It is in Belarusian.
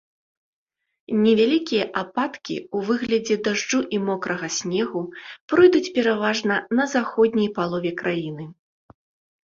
Невялікія ападкі ў выглядзе дажджу і мокрага снегу пройдуць пераважна на заходняй палове краіны.